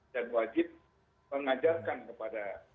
dan wajib mengajarkan kepada